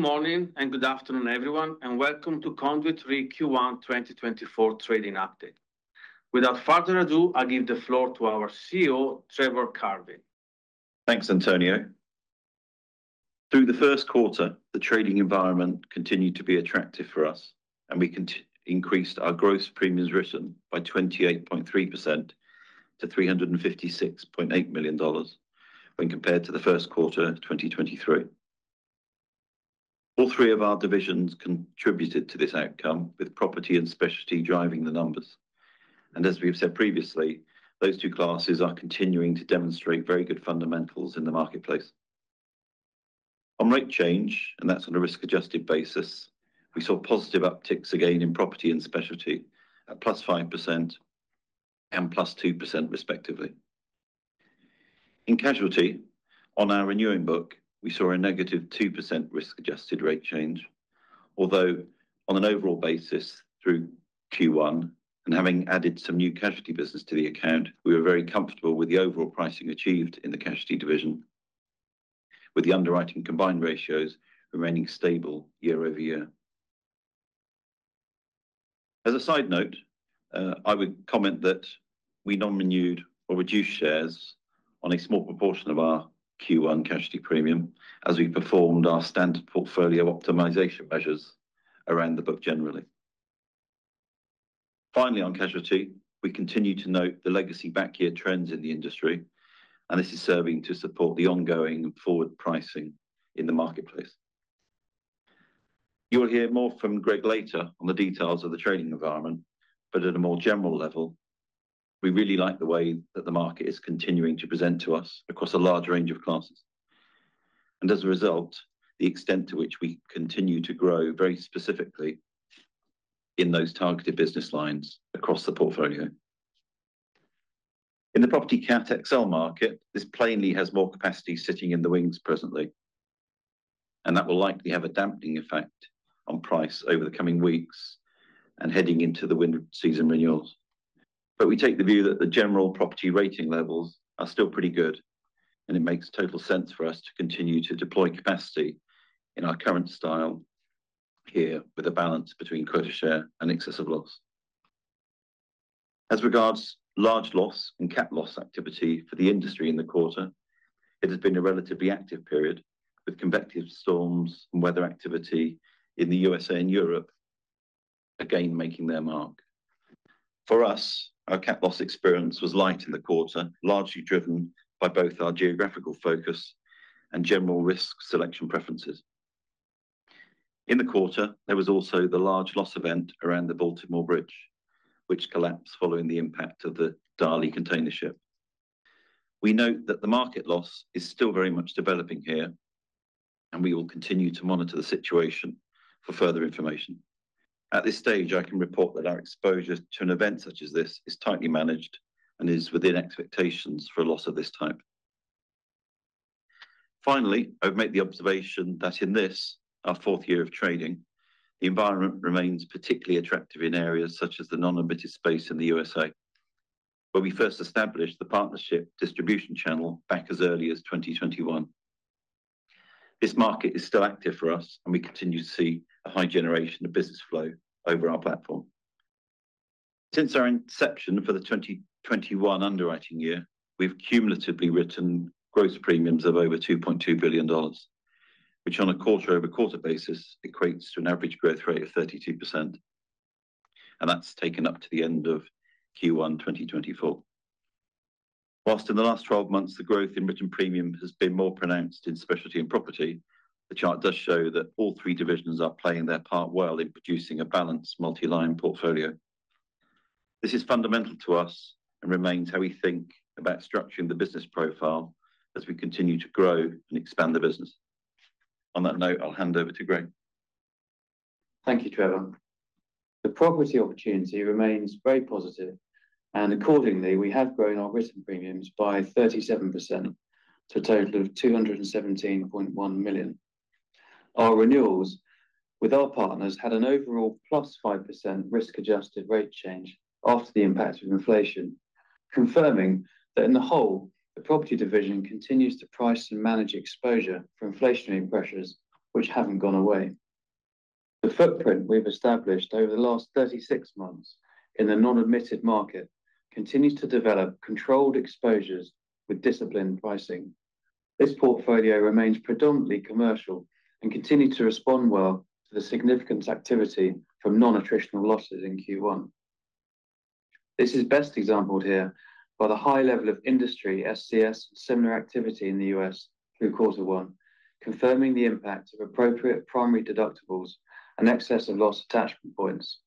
Good morning and good afternoon, everyone, and welcome to Conduit Re Q1 2024 Trading Update. Without further ado, I give the floor to our CEO, Trevor Carvey. Thanks, Antonio. Through the first quarter, the trading environment continued to be attractive for us, and we increased our gross premiums written by 28.3% to $356.8 million when compared to the first quarter of 2023. All three of our divisions contributed to this outcome, with property and specialty driving the numbers. And as we've said previously, those two classes are continuing to demonstrate very good fundamentals in the marketplace. On rate change, and that's on a risk-adjusted basis, we saw positive upticks again in property and specialty at +5% and +2% respectively. In casualty, on our renewing book, we saw a -2% risk-adjusted rate change. Although, on an overall basis through Q1, and having added some new casualty business to the account, we were very comfortable with the overall pricing achieved in the casualty division, with the underwriting combined ratios remaining stable year over year. As a side note, I would comment that we non-renewed or reduced shares on a small proportion of our Q1 casualty premium as we performed our standard portfolio optimization measures around the book generally. Finally, on casualty, we continue to note the legacy back year trends in the industry, and this is serving to support the ongoing forward pricing in the marketplace. You will hear more from Greg later on the details of the trading environment, but at a more general level, we really like the way that the market is continuing to present to us across a large range of classes. As a result, the extent to which we continue to grow very specifically in those targeted business lines across the portfolio. In the property cat excel market, this plainly has more capacity sitting in the wings presently, and that will likely have a dampening effect on price over the coming weeks and heading into the wind season renewals. But we take the view that the general property rating levels are still pretty good, and it makes total sense for us to continue to deploy capacity in our current style here, with a balance between quota share and excess of loss. As regards large loss and cat loss activity for the industry in the quarter, it has been a relatively active period, with convective storms and weather activity in the USA and Europe again making their mark. For us, our cat loss experience was light in the quarter, largely driven by both our geographical focus and general risk selection preferences. In the quarter, there was also the large loss event around the Baltimore Bridge, which collapsed following the impact of the Dali container ship. We note that the market loss is still very much developing here, and we will continue to monitor the situation for further information. At this stage, I can report that our exposure to an event such as this is tightly managed and is within expectations for a loss of this type. Finally, I would make the observation that in this, our fourth year of trading, the environment remains particularly attractive in areas such as the non-admitted space in the USA, where we first established the partnership distribution channel back as early as 2021. This market is still active for us, and we continue to see a high generation of business flow over our platform. Since our inception for the 2021 underwriting year, we've cumulatively written gross premiums of over $2.2 billion, which on a quarter-over-quarter basis equates to an average growth rate of 32%, and that's taken up to the end of Q1 2024. While in the last 12 months, the growth in written premiums has been more pronounced in specialty and property, the chart does show that all three divisions are playing their part well in producing a balanced multi-line portfolio. This is fundamental to us and remains how we think about structuring the business profile as we continue to grow and expand the business. On that note, I'll hand over to Greg. Thank you, Trevor. The property opportunity remains very positive, and accordingly, we have grown our written premiums by 37% to a total of $217.1 million. Our renewals with our partners had an overall +5% risk-adjusted rate change after the impact of inflation, confirming that in the whole, the property division continues to price and manage exposure for inflationary pressures which haven't gone away. The footprint we've established over the last 36 months in the non-admitted market continues to develop controlled exposures with disciplined pricing. This portfolio remains predominantly commercial and continued to respond well to the significant activity from non-attritional losses in Q1. This is best exemplified here by the high level of industry SCS-similar activity in the U.S. through quarter one, confirming the impact of appropriate primary deductibles and excess of loss attachment points.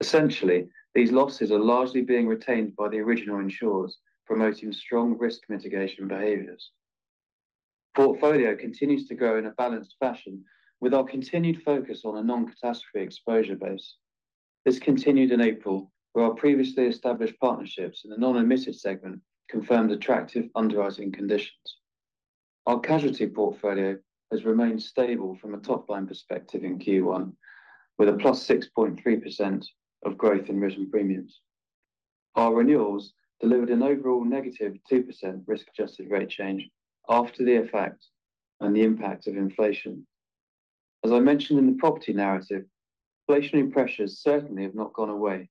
Essentially, these losses are largely being retained by the original insurers, promoting strong risk mitigation behaviors. Portfolio continues to grow in a balanced fashion with our continued focus on a non-catastrophe exposure base. This continued in April, where our previously established partnerships in the non-admitted segment confirmed attractive underwriting conditions. Our casualty portfolio has remained stable from a top-line perspective in Q1, with a +6.3% of growth in written premiums... Our renewals delivered an overall -2% risk-adjusted rate change after the effect and the impact of inflation. As I mentioned in the property narrative, inflationary pressures certainly have not gone away,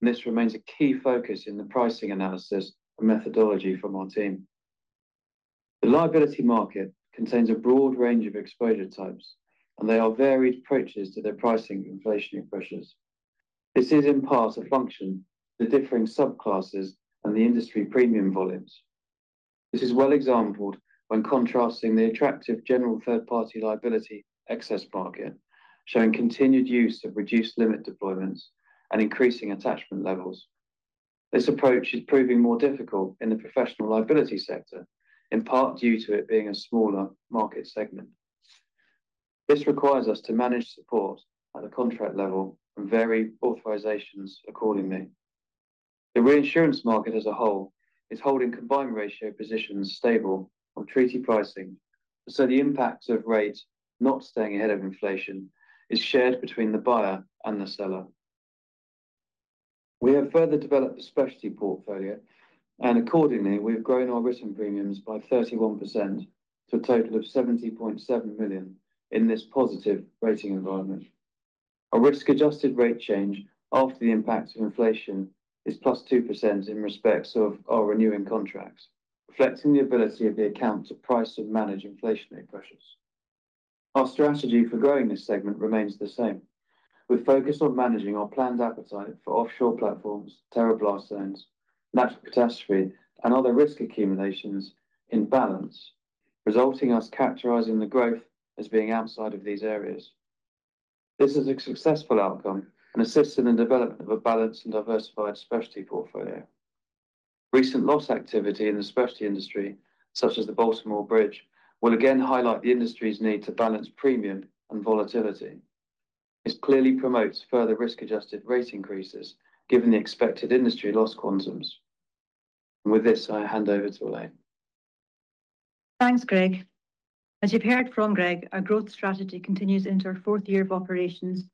and this remains a key focus in the pricing analysis and methodology from our team. The liability market contains a broad range of exposure types, and there are varied approaches to their pricing inflationary pressures. This is, in part, a function of the differing subclasses and the industry premium volumes. This is well exampled when contrasting the attractive general third-party liability excess market, showing continued use of reduced limit deployments and increasing attachment levels. This approach is proving more difficult in the professional liability sector, in part due to it being a smaller market segment. This requires us to manage support at the contract level and vary authorizations accordingly. The reinsurance market as a whole is holding combined ratio positions stable on treaty pricing, so the impact of rates not staying ahead of inflation is shared between the buyer and the seller. We have further developed the specialty portfolio, and accordingly, we've grown our written premiums by 31%, to a total of $70.7 million in this positive rating environment. Our risk-adjusted rate change after the impact of inflation is +2% in respect of our renewing contracts, reflecting the ability of the account to price and manage inflationary pressures. Our strategy for growing this segment remains the same. We're focused on managing our planned appetite for offshore platforms, terror blast zones, natural catastrophe, and other risk accumulations in balance, resulting in us characterizing the growth as being outside of these areas. This is a successful outcome and assists in the development of a balanced and diversified specialty portfolio. Recent loss activity in the specialty industry, such as the Baltimore Bridge, will again highlight the industry's need to balance premium and volatility. This clearly promotes further risk-adjusted rate increases, given the expected industry loss quantums. With this, I hand over to Elaine. Thanks, Greg. As you've heard from Greg, our growth strategy continues into our fourth year of operations.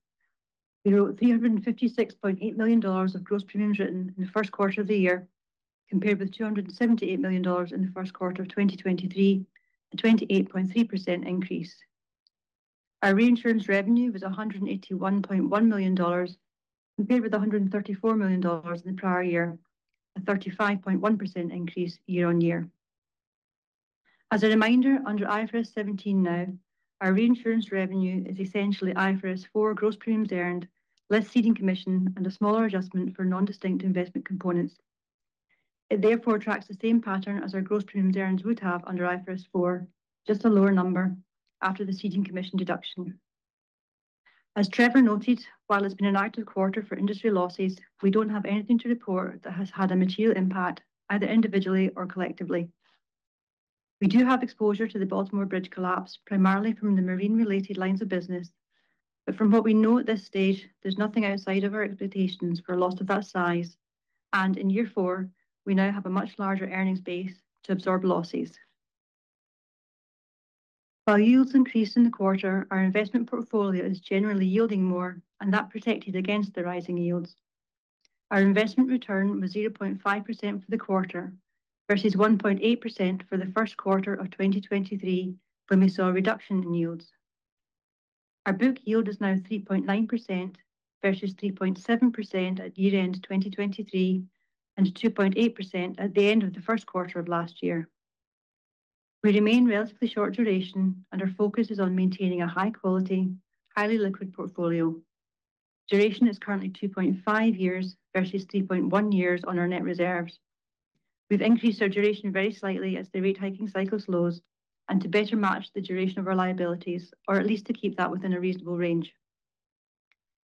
We wrote $356.8 million of gross premiums written in the first quarter of the year, compared with $278 million in the first quarter of 2023, a 28.3% increase. Our reinsurance revenue was $181.1 million, compared with $134 million in the prior year, a 35.1% increase year-on-year. As a reminder, under IFRS 17 now, our reinsurance revenue is essentially IFRS 4 gross premiums earned, less ceding commission and a smaller adjustment for non-distinct investment components. It therefore tracks the same pattern as our gross premiums earned would have under IFRS 4, just a lower number after the ceding commission deduction. As Trevor noted, while it's been an active quarter for industry losses, we don't have anything to report that has had a material impact, either individually or collectively. We do have exposure to the Baltimore Bridge collapse, primarily from the marine-related lines of business. But from what we know at this stage, there's nothing outside of our expectations for a loss of that size, and in year four, we now have a much larger earnings base to absorb losses. While yields increased in the quarter, our investment portfolio is generally yielding more, and that protected against the rising yields. Our investment return was 0.5% for the quarter, versus 1.8% for the first quarter of 2023, when we saw a reduction in yields. Our book yield is now 3.9%, versus 3.7% at year-end 2023, and 2.8% at the end of the first quarter of last year. We remain relatively short duration, and our focus is on maintaining a high quality, highly liquid portfolio. Duration is currently 2.5 years, versus 3.1 years on our net reserves. We've increased our duration very slightly as the rate hiking cycle slows and to better match the duration of our liabilities, or at least to keep that within a reasonable range.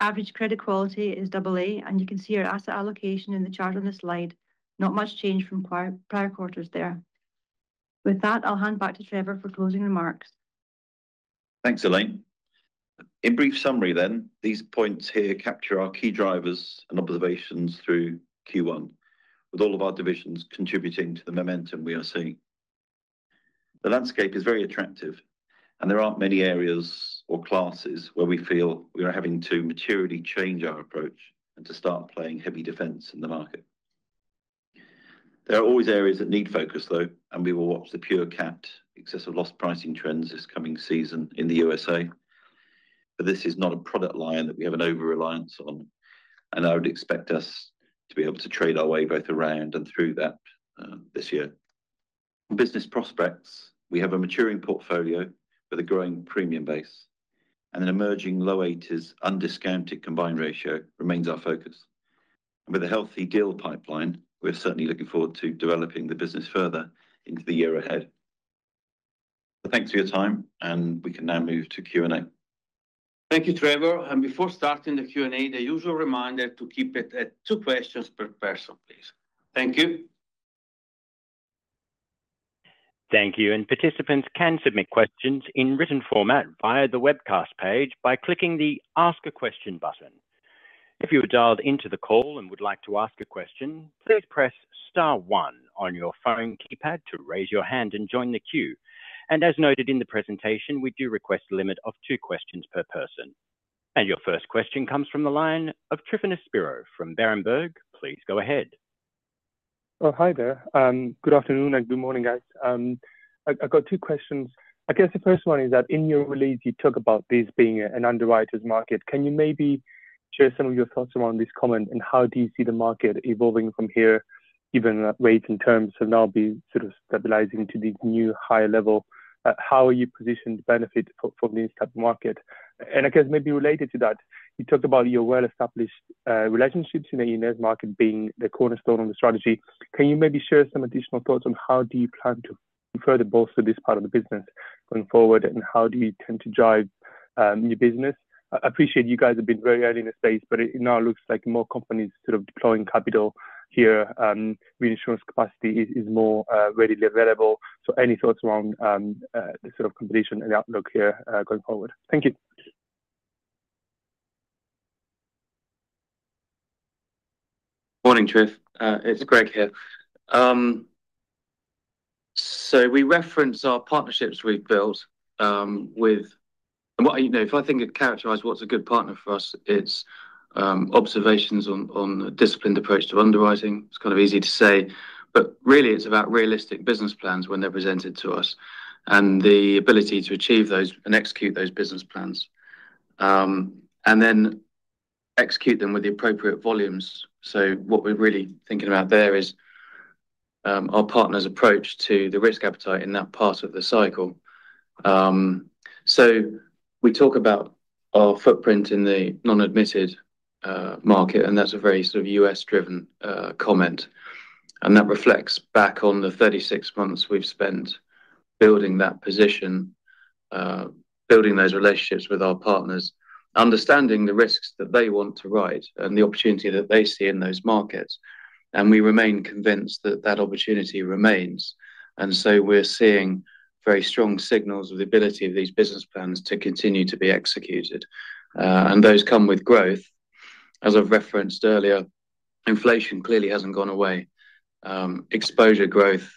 Average credit quality is double A, and you can see our asset allocation in the chart on this slide. Not much change from prior quarters there. With that, I'll hand back to Trevor for closing remarks. Thanks, Elaine. In brief summary then, these points here capture our key drivers and observations through Q1, with all of our divisions contributing to the momentum we are seeing. The landscape is very attractive, and there aren't many areas or classes where we feel we are having to materially change our approach and to start playing heavy defense in the market. There are always areas that need focus, though, and we will watch the pure cat excess of loss pricing trends this coming season in the USA. But this is not a product line that we have an overreliance on, and I would expect us to be able to trade our way both around and through that, this year. Business prospects, we have a maturing portfolio with a growing premium base, and an emerging low eighties undiscounted combined ratio remains our focus. With a healthy deal pipeline, we're certainly looking forward to developing the business further into the year ahead. Thanks for your time, and we can now move to Q&A. Thank you, Trevor. Before starting the Q&A, the usual reminder to keep it at two questions per person, please. Thank you. Thank you, and participants can submit questions in written format via the webcast page by clicking the Ask a Question button. If you are dialed into the call and would like to ask a question, please press star one on your phone keypad to raise your hand and join the queue. And as noted in the presentation, we do request a limit of two questions per person.... And your first question comes from the line of Tryfonas Spyrou from Berenberg. Please go ahead. Oh, hi there. Good afternoon and good morning, guys. I got two questions. I guess the first one is that in your release, you talk about this being an underwriter's market. Can you maybe share some of your thoughts around this comment, and how do you see the market evolving from here, given that rates and terms will now be sort of stabilizing to the new higher level? How are you positioned to benefit for, from this type of market? And I guess maybe related to that, you talked about your well-established relationships in the insurance market being the cornerstone of the strategy. Can you maybe share some additional thoughts on how do you plan to further bolster this part of the business going forward, and how do you tend to drive your business? I appreciate you guys have been very early in the stage, but it now looks like more companies sort of deploying capital here. Reinsurance capacity is more readily available. So any thoughts around the sort of completion and the outlook here going forward? Thank you. Morning, Trif. It's Greg here. So we referenced our partnerships we've built, and what, you know, if I think it characterized what's a good partner for us, it's observations on a disciplined approach to underwriting. It's kind of easy to say, but really, it's about realistic business plans when they're presented to us and the ability to achieve those and execute those business plans. And then execute them with the appropriate volumes. So what we're really thinking about there is our partner's approach to the risk appetite in that part of the cycle. So we talk about our footprint in the non-admitted market, and that's a very sort of U.S.-driven comment. That reflects back on the 36 months we've spent building that position, building those relationships with our partners, understanding the risks that they want to write and the opportunity that they see in those markets, and we remain convinced that that opportunity remains. So we're seeing very strong signals of the ability of these business plans to continue to be executed, and those come with growth. As I've referenced earlier, inflation clearly hasn't gone away. Exposure growth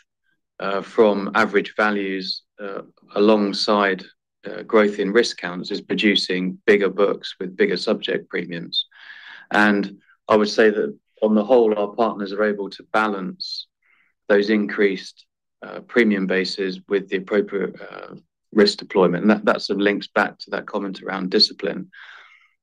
from average values, alongside growth in risk counts, is producing bigger books with bigger subject premiums. I would say that on the whole, our partners are able to balance those increased premium bases with the appropriate risk deployment, and that sort of links back to that comment around discipline.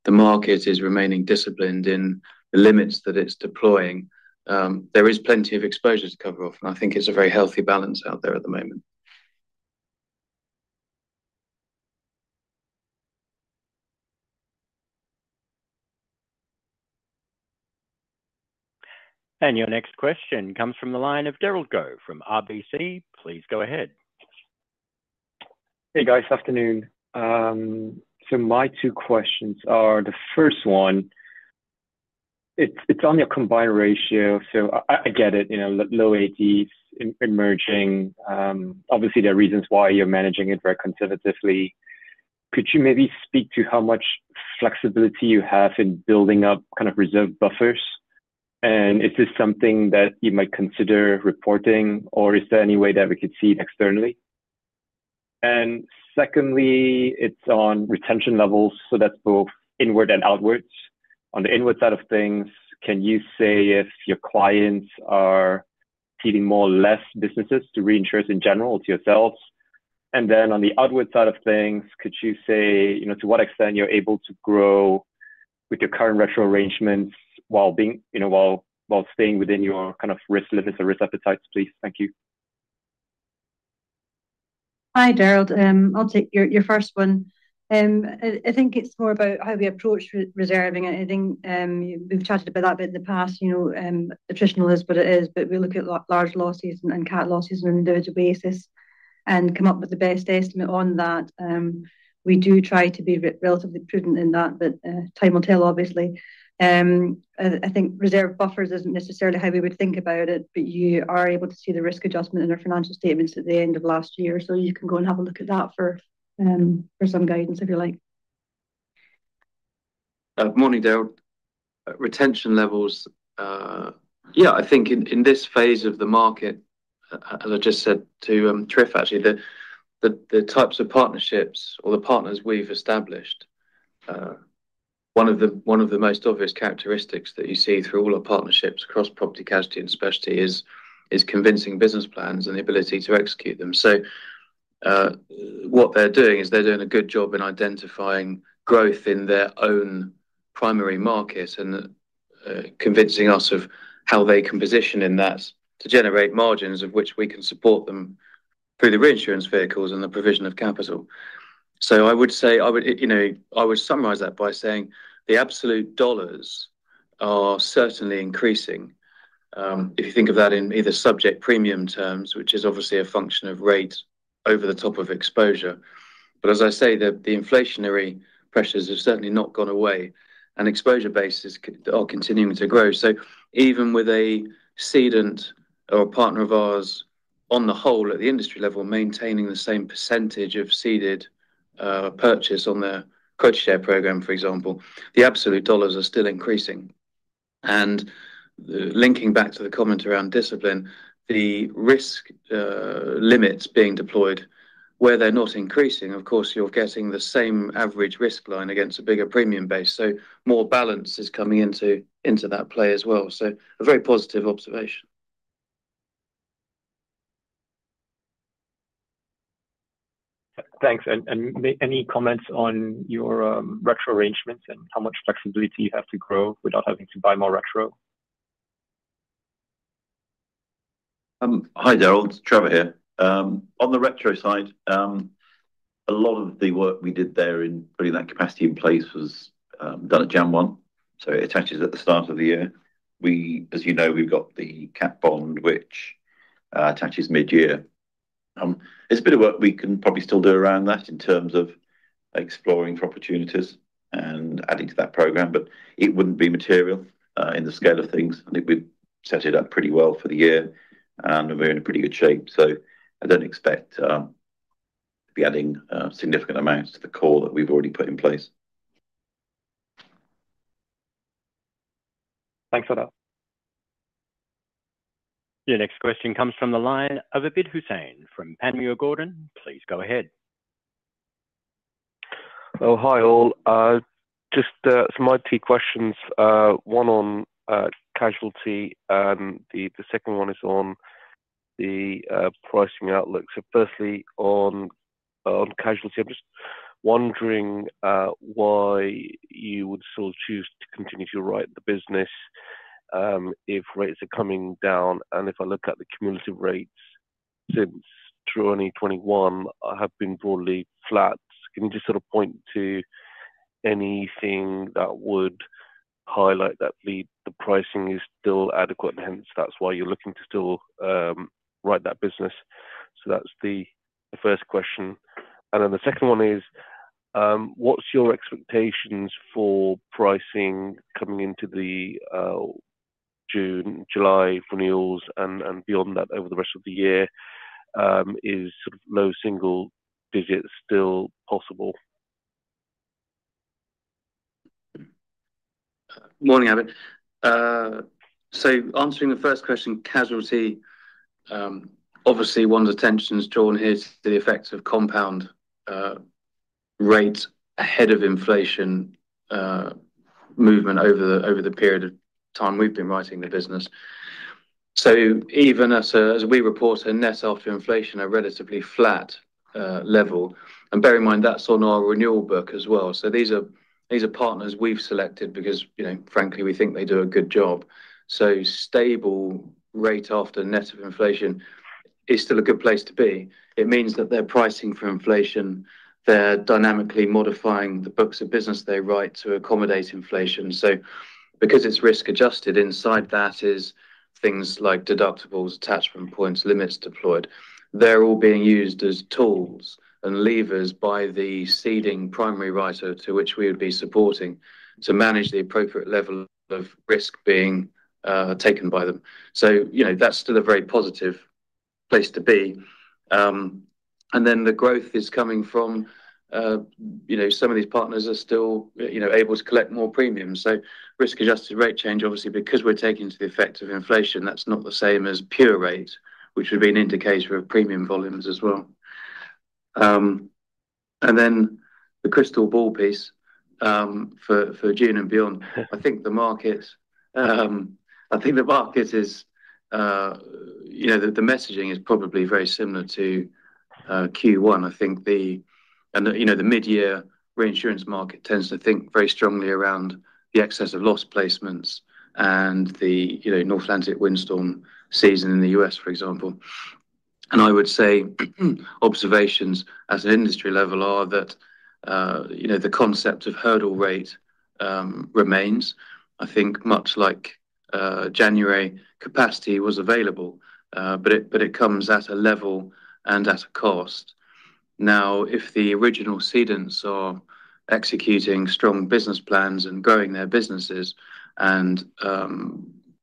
The market is remaining disciplined in the limits that it's deploying. There is plenty of exposure to cover off, and I think it's a very healthy balance out there at the moment. Your next question comes from the line of Derald Goh from RBC. Please go ahead. Hey, guys. Afternoon. So my two questions are: the first one, it's on your combined ratio. So I get it, you know, low AT emerging. Obviously, there are reasons why you're managing it very conservatively. Could you maybe speak to how much flexibility you have in building up kind of reserve buffers? And is this something that you might consider reporting, or is there any way that we could see it externally? And secondly, it's on retention levels, so that's both inward and outwards. On the inward side of things, can you say if your clients are keeping more or less businesses to reinsurers in general to yourselves? And then on the outward side of things, could you say, you know, to what extent you're able to grow with your current retro arrangements while being, you know, while staying within your kind of risk limits or risk appetites, please? Thank you. Hi, Derald. I'll take your first one. I think it's more about how we approach re-reserving. And I think we've chatted about that a bit in the past, you know, attritional, but it is. But we look at large losses and cat losses on an individual basis and come up with the best estimate on that. We do try to be relatively prudent in that, but time will tell, obviously. I think reserve buffers isn't necessarily how we would think about it, but you are able to see the risk adjustment in our financial statements at the end of last year. So you can go and have a look at that for some guidance, if you like. Morning, Derald. Retention levels, yeah, I think in this phase of the market, as I just said to Tryfonas, actually, the types of partnerships or the partners we've established, one of the most obvious characteristics that you see through all our partnerships across Property, Casualty, and Specialty is convincing business plans and the ability to execute them. So, what they're doing is they're doing a good job in identifying growth in their own primary market and convincing us of how they can position in that to generate margins, of which we can support them through the reinsurance vehicles and the provision of capital. So I would say—I would, you know, I would summarize that by saying the absolute dollars are certainly increasing. If you think of that in either subject premium terms, which is obviously a function of rate over the top of exposure. But as I say, the inflationary pressures have certainly not gone away, and exposure bases are continuing to grow. So even with a cedent or a partner of ours, on the whole at the industry level, maintaining the same percentage of ceded purchase on their quota share program, for example, the absolute dollars are still increasing, and linking back to the comment around discipline, the risk limits being deployed, where they're not increasing, of course, you're getting the same average risk line against a bigger premium base, so more balance is coming into that play as well. So a very positive observation. Thanks. Any comments on your retro arrangements and how much flexibility you have to grow without having to buy more retro? Hi, Derald. It's Trevor here. On the retro side, a lot of the work we did there in putting that capacity in place was done at January 1, so it attaches at the start of the year. We—as you know, we've got the cat bond, which attaches mid-year. There's a bit of work we can probably still do around that in terms of exploring for opportunities and adding to that program, but it wouldn't be material in the scale of things. I think we've set it up pretty well for the year, and we're in pretty good shape. So I don't expect to be adding significant amounts to the core that we've already put in place. Thanks for that. Your next question comes from the line of Abid Hussain from Panmure Gordon. Please go ahead. Oh, hi, all. Just some RP questions. One on casualty, and the second one is on the pricing outlook. So firstly, on casualty, I'm just wondering why you would sort of choose to continue to write the business if rates are coming down? And if I look at the cumulative rates since 2021, have been broadly flat. Can you just sort of point to anything that would highlight that the pricing is still adequate, and hence, that's why you're looking to still write that business? So that's the first question. And then the second one is, what's your expectations for pricing coming into the June, July renewals and beyond that, over the rest of the year? Is sort of low single digits still possible? Morning, Abid. So answering the first question, casualty, obviously, one's attention is drawn here to the effects of compound rates ahead of inflation movement over the period of time we've been writing the business. So even as we report a net after inflation, a relatively flat level, and bear in mind, that's on our renewal book as well. So these are partners we've selected because, you know, frankly, we think they do a good job. So stable rate after net of inflation is still a good place to be. It means that they're pricing for inflation, they're dynamically modifying the books of business they write to accommodate inflation. So because it's risk-adjusted, inside that is things like deductibles, attachment points, limits deployed. They're all being used as tools and levers by the ceding primary writer to which we would be supporting to manage the appropriate level of risk being taken by them. So, you know, that's still a very positive place to be. And then, the growth is coming from, you know, some of these partners are still, you know, able to collect more premiums. So risk-adjusted rate change, obviously, because we're taking into the effect of inflation, that's not the same as pure rate, which would be an indicator of premium volumes as well. And then the crystal ball piece for June and beyond. I think the market is. You know, the messaging is probably very similar to Q1. I think you know the mid-year reinsurance market tends to think very strongly around the excess of loss placements and the you know North Atlantic windstorm season in the U.S., for example. And I would say observations at an industry level are that you know the concept of hurdle rate remains. I think much like January capacity was available but it comes at a level and at a cost. Now if the original cedents are executing strong business plans and growing their businesses and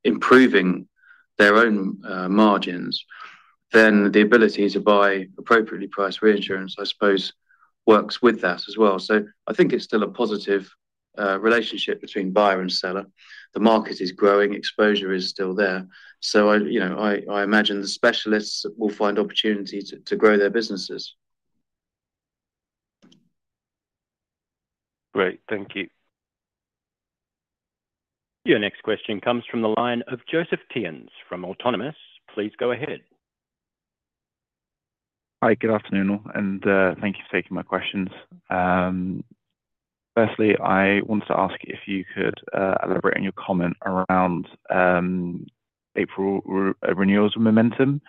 improving their own margins then the ability to buy appropriately priced reinsurance I suppose works with that as well. So I think it's still a positive relationship between buyer and seller. The market is growing, exposure is still there. So, you know, I imagine the specialists will find opportunity to grow their businesses. Great. Thank you. Your next question comes from the line of Joseph Theuns from Autonomous. Please go ahead. Hi, good afternoon, and thank you for taking my questions. Firstly, I wanted to ask if you could elaborate on your comment around April renewals momentum. You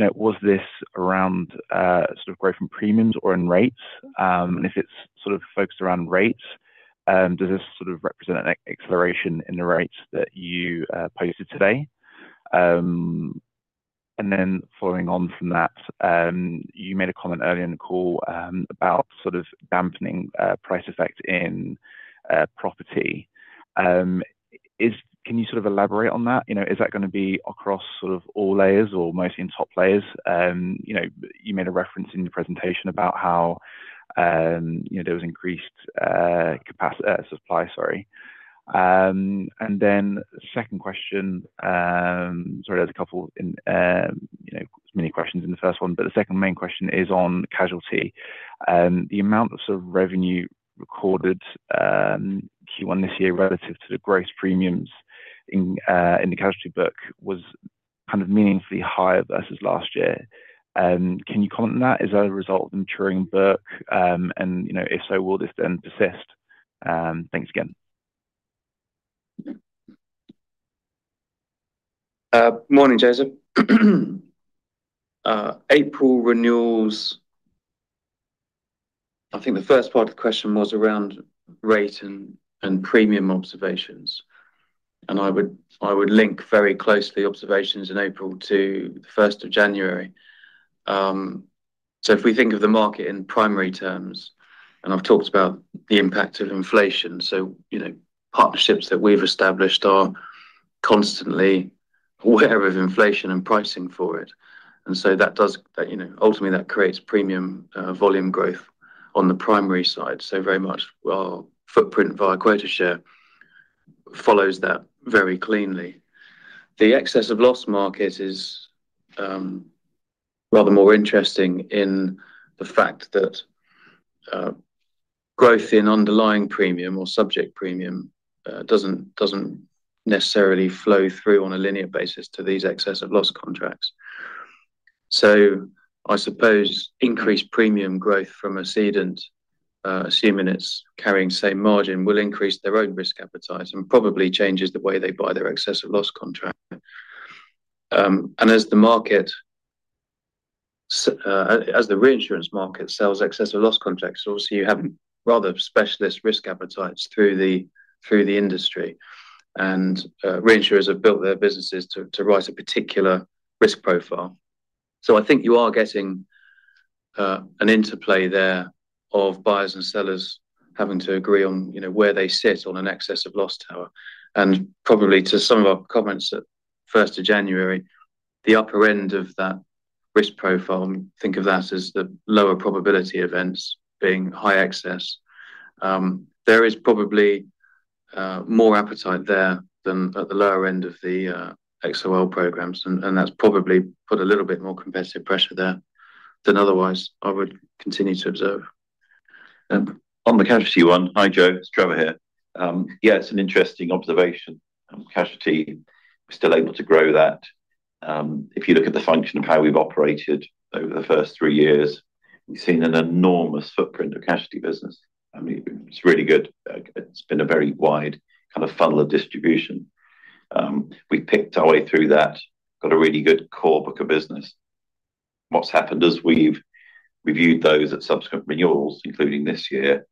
know, was this around sort of growth in premiums or in rates? And if it's sort of focused around rates, does this sort of represent an acceleration in the rates that you posted today? And then following on from that, you made a comment earlier in the call about sort of dampening price effect in property. Can you sort of elaborate on that? You know, is that gonna be across sort of all layers or mostly in top layers? You know, you made a reference in your presentation about how you know, there was increased capacity supply, sorry. And then second question, sorry, there's a couple in, you know, many questions in the first one, but the second main question is on Casualty. The amount of sort of revenue recorded, Q1 this year relative to the gross premiums in, in the Casualty book was kind of meaningfully higher versus last year. Can you comment on that? Is that a result of maturing book? And, you know, if so, will this then persist? Thanks again. Morning, Joseph. April renewals, I think the first part of the question was around rate and premium observations. I would link very closely observations in April to the first of January. So if we think of the market in primary terms, and I've talked about the impact of inflation, so, you know, partnerships that we've established are constantly aware of inflation and pricing for it. And so that does, you know, ultimately, that creates premium volume growth on the primary side. So very much our footprint via quota share follows that very cleanly. The excess of loss market is rather more interesting in the fact that growth in underlying premium or subject premium doesn't necessarily flow through on a linear basis to these excess of loss contracts. So I suppose increased premium growth from a cedent, assuming it's carrying the same margin, will increase their own risk appetite and probably changes the way they buy their excess of loss contract. And as the market, as the reinsurance market sells excess of loss contracts, obviously, you have rather specialist risk appetites through the industry. And reinsurers have built their businesses to write a particular risk profile. So I think you are getting an interplay there of buyers and sellers having to agree on, you know, where they sit on an excess of loss tower. And probably to some of our comments at the first of January, the upper end of that risk profile, think of that as the lower probability events being high excess. There is probably more appetite there than at the lower end of the XOL programs, and that's probably put a little bit more competitive pressure there than otherwise I would continue to observe. On the casualty one. Hi, Joe, it's Trevor here. Yeah, it's an interesting observation. Casualty, we're still able to grow that. If you look at the function of how we've operated over the first three years, we've seen an enormous footprint of casualty business. I mean, it's really good. It's been a very wide kind of funnel of distribution. We picked our way through that, got a really good core book of business. What's happened is we've reviewed those at subsequent renewals, including this year.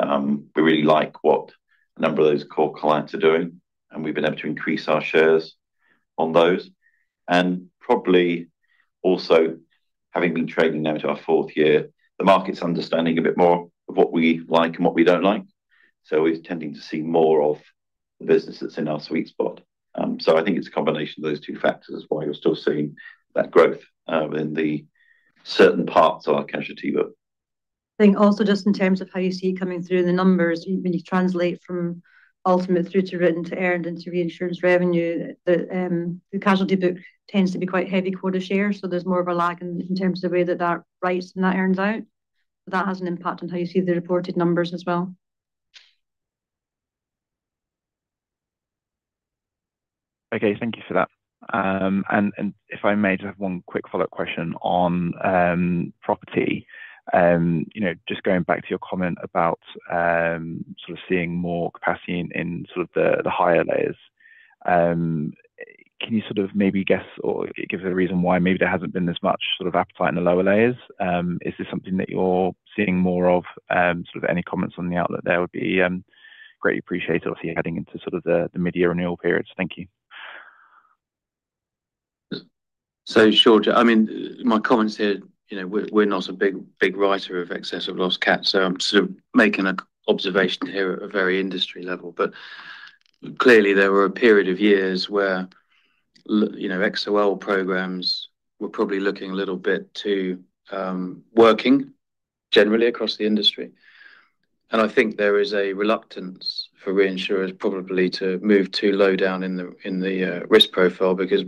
We really like what a number of those core clients are doing, and we've been able to increase our shares on those. And probably also, having been trading now to our fourth year, the market's understanding a bit more of what we like and what we don't like, so we're tending to see more of the business that's in our sweet spot. So I think it's a combination of those two factors is why you're still seeing that growth, within the certain parts of our casualty book. I think also just in terms of how you see coming through the numbers, when you translate from ultimate through to written, to earned, into reinsurance revenue, the, the casualty book tends to be quite heavy quota share, so there's more of a lag in terms of the way that that writes and that earns out. That has an impact on how you see the reported numbers as well. Okay, thank you for that. And if I may, just have one quick follow-up question on property. You know, just going back to your comment about sort of seeing more capacity in sort of the higher layers. Can you sort of maybe guess or give us a reason why maybe there hasn't been this much sort of appetite in the lower layers? Is this something that you're seeing more of, sort of any comments on the outlet there would be greatly appreciated, obviously, heading into sort of the mid-year renewal periods. Thank you. So sure. I mean, my comments here, you know, we're, we're not a big, big writer of excess of loss cat, so I'm sort of making an observation here at a very industry level. But clearly, there were a period of years where you know, XOL programs were probably looking a little bit to, working generally across the industry. And I think there is a reluctance for reinsurers probably to move too low down in the, in the, risk profile because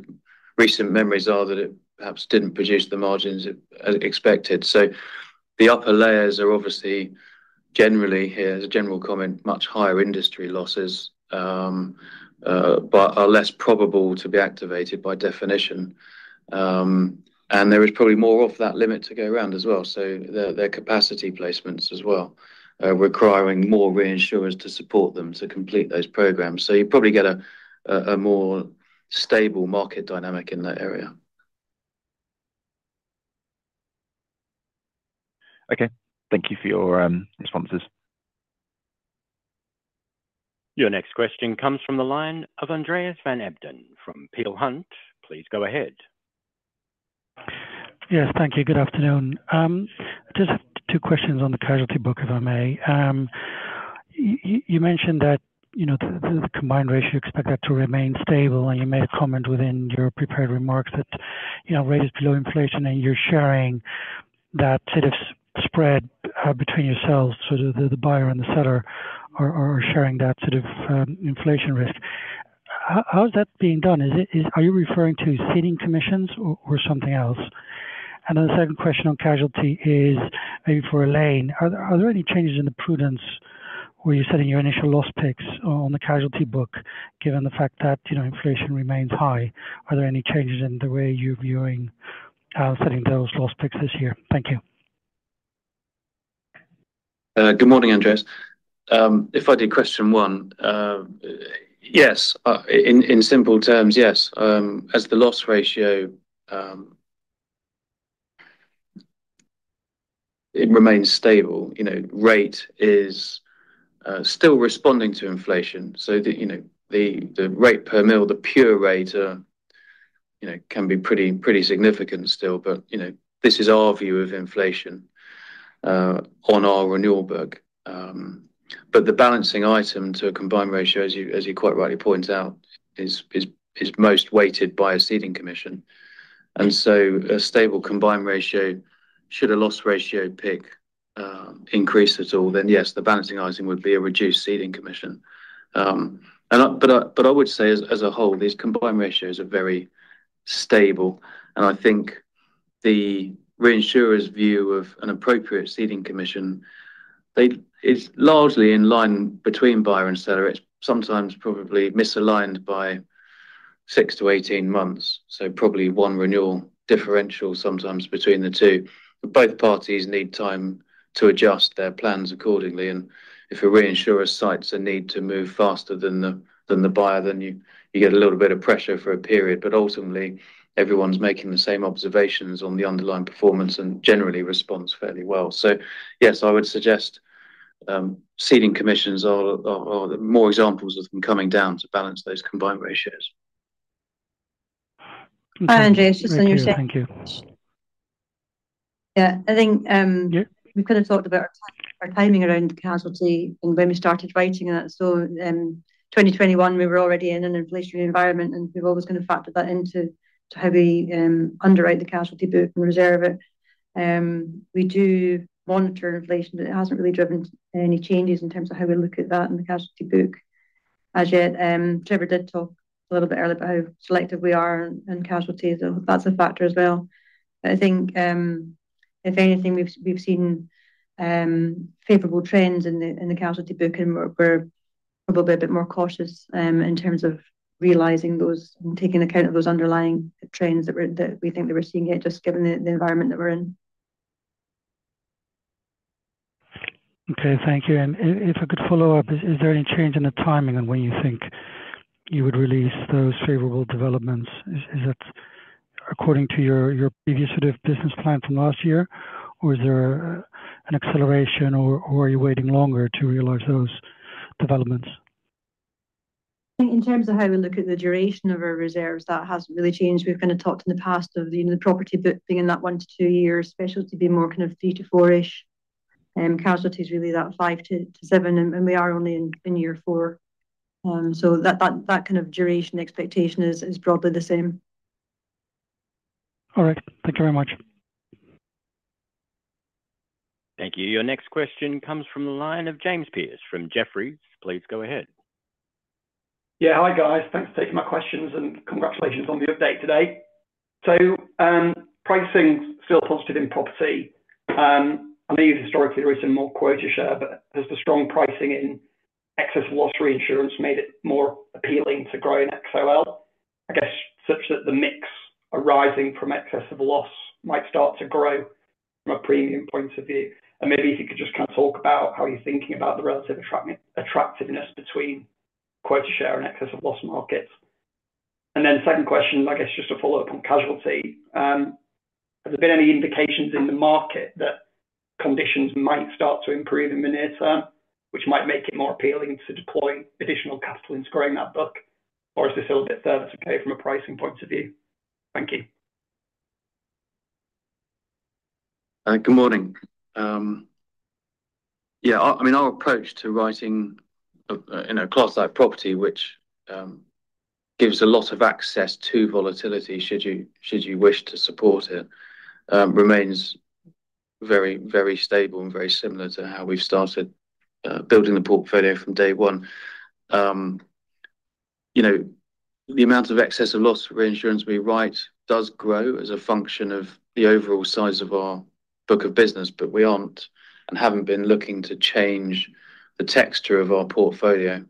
recent memories are that it perhaps didn't produce the margins as expected. So the upper layers are obviously, generally here, as a general comment, much higher industry losses, but are less probable to be activated by definition. And there is probably more of that limit to go around as well. So their capacity placements as well, requiring more reinsurers to support them to complete those programs. So you probably get a more stable market dynamic in that area. Okay. Thank you for your responses. Your next question comes from the line of Andreas van Embden from Peel Hunt. Please go ahead. Yes, thank you. Good afternoon. I just have two questions on the casualty book, if I may. You mentioned that, you know, the combined ratio, you expect that to remain stable, and you made a comment within your prepared remarks that you know, rate is below inflation and you're sharing that sort of spread between yourselves, so the buyer and the seller are sharing that sort of inflation risk. How is that being done? Is it, are you referring to ceding commissions or something else? And then the second question on casualty is maybe for Elaine. Are there any changes in the prudence where you're setting your initial loss picks on the casualty book, given the fact that, you know, inflation remains high? Are there any changes in the way you're viewing, setting those loss picks this year? Thank you. Good morning, Andreas. If I did question one, yes, in simple terms, yes. As the loss ratio it remains stable, you know, rate is still responding to inflation. So the, you know, the rate per mil, the pure rate, you know, can be pretty significant still, but, you know, this is our view of inflation on our renewal book. But the balancing item to a combined ratio, as you quite rightly point out, is most weighted by a ceding commission. And so a stable combined ratio should a loss ratio pick increase at all, then, yes, the balancing item would be a reduced ceding commission. I would say as a whole, these combined ratios are very stable, and I think the reinsurer's view of an appropriate ceding commission is largely in line between buyer and seller. It's sometimes probably misaligned by 6-18 months, so probably one renewal differential sometimes between the two. But both parties need time to adjust their plans accordingly, and if a reinsurer cites a need to move faster than the buyer, then you get a little bit of pressure for a period. But ultimately, everyone's making the same observations on the underlying performance and generally responds fairly well. So yes, I would suggest ceding commissions are more examples of them coming down to balance those combined ratios. Hi, Andreas, just on your second- Thank you. Yeah, I think, Yeah ... we kind of thought about our timing around casualty and when we started writing it. So in 2021, we were already in an inflationary environment, and we've always kind of factored that into how we underwrite the casualty book and reserve it. We do monitor inflation, but it hasn't really driven any changes in terms of how we look at that in the casualty book as yet. Trevor did talk a little bit earlier about how selective we are in casualties. So that's a factor as well. But I think, if anything, we've seen favorable trends in the casualty book, and we're probably a bit more cautious in terms of realizing those and taking account of those underlying trends that we think that we're seeing here, just given the environment that we're in. Okay, thank you. If I could follow up, is there any change in the timing on when you think you would release those favorable developments? Is it according to your previous sort of business plan from last year, or is there an acceleration, or are you waiting longer to realize those developments? I think in terms of how we look at the duration of our reserves, that hasn't really changed. We've kind of talked in the past of, you know, the property book being in that 1-2 years, specialty being more kind of 3-4-ish, and casualty is really that 5-7, and we are only in year 4. So that kind of duration expectation is broadly the same. All right. Thank you very much. Thank you. Your next question comes from the line of James Pearse from Jefferies. Please go ahead. Yeah. Hi, guys. Thanks for taking my questions, and congratulations on the update today. So, pricing's still positive in property. I believe historically there is some more quota share, but has the strong pricing in excess of loss reinsurance made it more appealing to grow in XOL? I guess, such that the mix arising from excess of loss might start to grow from a premium point of view. And maybe if you could just kind of talk about how you're thinking about the relative attractiveness between quota share and excess of loss markets. And then second question, I guess just a follow-up on casualty. Have there been any indications in the market that conditions might start to improve in the near term, which might make it more appealing to deploy additional capital into growing that book, or is this still a bit further to pay from a pricing point of view? Thank you. Good morning. Yeah, I mean, our approach to writing, you know, a class like property, which gives a lot of access to volatility, should you wish to support it, remains very, very stable and very similar to how we've started building the portfolio from day one. You know, the amount of excess of loss reinsurance we write does grow as a function of the overall size of our book of business, but we aren't and haven't been looking to change the texture of our portfolio.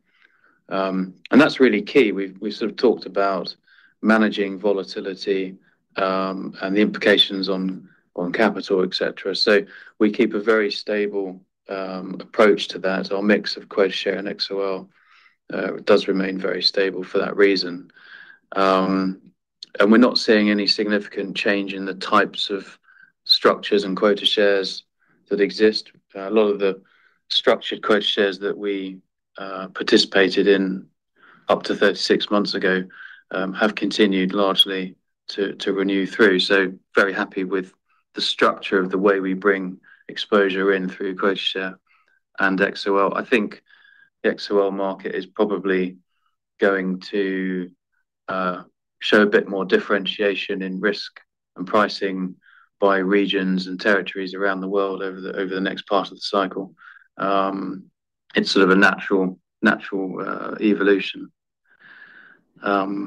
And that's really key. We've sort of talked about managing volatility, and the implications on capital, et cetera. So we keep a very stable approach to that. Our mix of quota share and XOL does remain very stable for that reason. And we're not seeing any significant change in the types of structures and quota shares that exist. A lot of the structured quota shares that we participated in up to 36 months ago have continued largely to renew through. So very happy with the structure of the way we bring exposure in through quota share and XOL. I think the XOL market is probably going to show a bit more differentiation in risk and pricing by regions and territories around the world over the next part of the cycle. It's sort of a natural evolution. I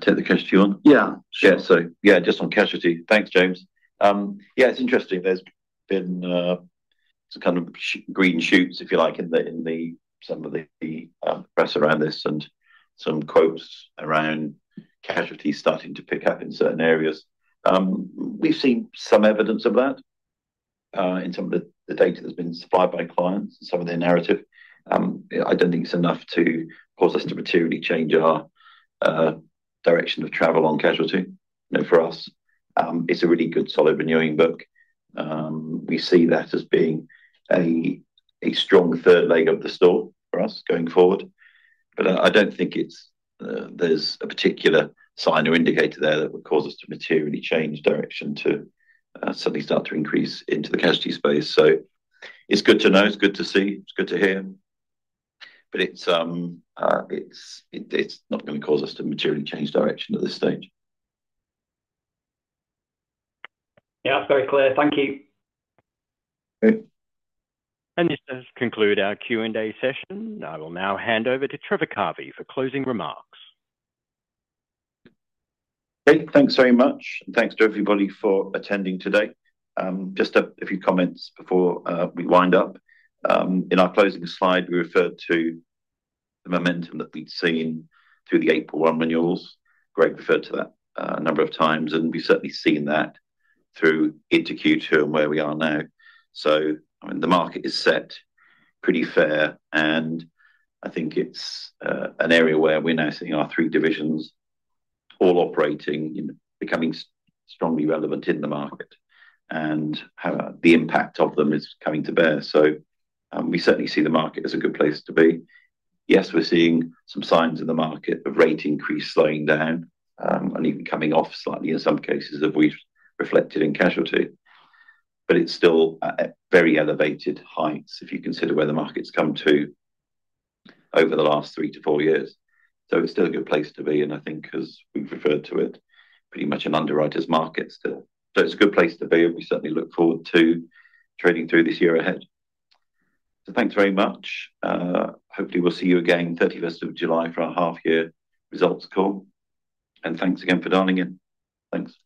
take the casualty on? Yeah. Sure. Yeah, so, yeah, just on casualty. Thanks, James. Yeah, it's interesting. There's been some kind of green shoots, if you like, in some of the press around this and some quotes around casualty starting to pick up in certain areas. We've seen some evidence of that in some of the data that's been supplied by clients and some of their narrative. I don't think it's enough to cause us to materially change our direction of travel on casualty. You know, for us, it's a really good, solid renewing book. We see that as being a strong third leg of the stool for us going forward, but I don't think there's a particular sign or indicator there that would cause us to materially change direction to suddenly start to increase into the casualty space. So it's good to know, it's good to see, it's good to hear, but it's not gonna cause us to materially change direction at this stage. Yeah, that's very clear. Thank you. Great. This does conclude our Q&A session. I will now hand over to Trevor Carvey for closing remarks. Okay, thanks very much, and thanks to everybody for attending today. Just a few comments before we wind up. In our closing slide, we referred to the momentum that we'd seen through the April 1 renewals. Greg referred to that a number of times, and we've certainly seen that through into Q2 and where we are now. So, I mean, the market is set pretty fair, and I think it's an area where we're now seeing our three divisions all operating, you know, becoming strongly relevant in the market, and how the impact of them is coming to bear. So, we certainly see the market as a good place to be. Yes, we're seeing some signs in the market of rate increase slowing down, and even coming off slightly in some cases that we've reflected in casualty, but it's still at very elevated heights if you consider where the market's come to over the last 3-4 years. So it's still a good place to be, and I think as we've referred to it, pretty much an underwriter's markets still. So it's a good place to be, and we certainly look forward to trading through this year ahead. So thanks very much. Hopefully, we'll see you again 31st of July for our half year results call, and thanks again for dialing in. Thanks.